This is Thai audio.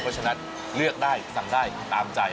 เพราะฉะนั้นเลือกได้สั่งได้ตามใจ